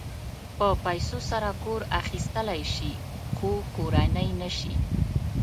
په پیسو سره کور اخيستلی شې خو کورنۍ نه شې.